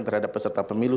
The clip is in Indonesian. terhadap peserta pemilu